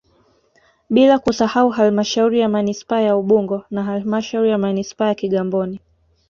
Bila kusahau halmashauri ya manispaa ya Ubungo na halmashauri ya manispaa ya Kigamboni